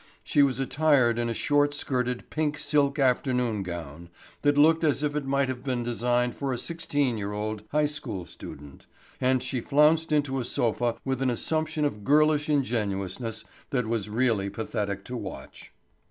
She was attired in a short skirted pink silk afternoon gown that looked as if it might have been designed for a sixteen year old high school student, and she flounced into a sofa with an assumption of girlish ingenuousness that was really pathetic to watch.